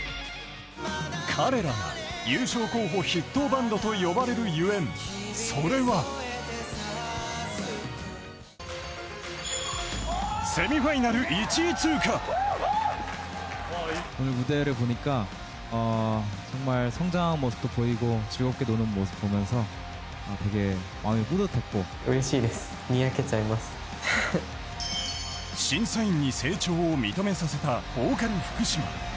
彼らが優勝候補筆頭バンドと呼ばれるゆえん、それは審査員に成長を認めさせたボーカル、福嶌。